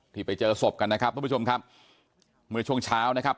ไปเจอศพกันนะครับทุกผู้ชมครับเมื่อช่วงเช้านะครับ